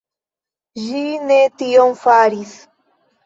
Ĝi ne tion faris.